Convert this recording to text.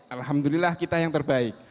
alhamdulillah kita yang terbaik